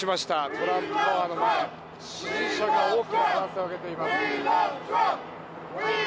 トランプタワーの前で支持者が多く歓声を上げています。